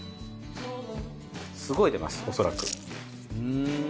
すごい出ますおそらく。